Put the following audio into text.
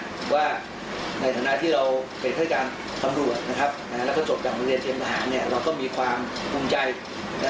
เราก็ไม่อยากให้ยศเนี่ยไปประกดอยู่ในหมายจากการที่ใส่นายเนี่ยไม่ได้มีการหมายเท่านั้นเลย